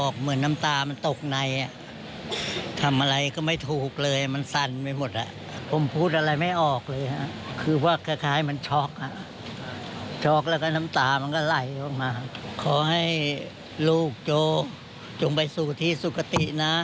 ขอให้ลูกโจ๊กจงไปสู่ที่สุขตินะ